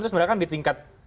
itu sebenarnya kan di tingkat